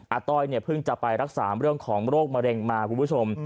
อัต้อยพึ่งจะไปรักษาเรื่องของโรคระเร็งมาผมรู้สึก